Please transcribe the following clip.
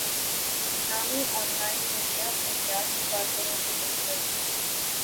نامی online دنیا کو سیاسی کارکنوں سے لے کر